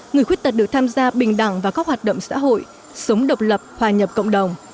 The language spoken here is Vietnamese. người khuyết tật được tham gia bình đẳng vào các hoạt động xã hội sống độc lập hòa nhập cộng đồng